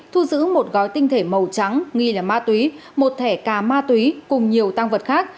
thu giữ một gói tinh thể màu trắng nghi là ma túy một thẻ cà ma túy cùng nhiều tăng vật khác